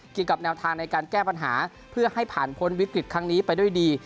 เกี่ยวกับแนวทางในการแก้ปัญหาเพื่อให้ผ่านพ้นวิกฤตครั้งนี้ไปด้วยดี